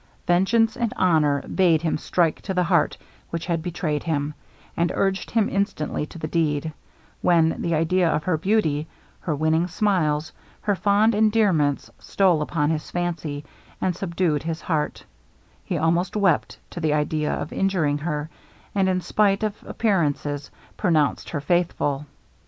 Vengeance and honor bade him strike to the heart which had betrayed him, and urged him instantly to the deed when the idea of her beauty her winning smiles her fond endearments stole upon his fancy, and subdued his heart; he almost wept to the idea of injuring her, and in spight of appearances, pronounced her faithful.